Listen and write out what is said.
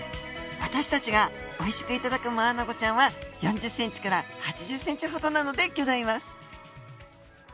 私たちが美味しくいただくマアナゴちゃんは４０ｃｍから８０ｃｍほどなのでギョざいます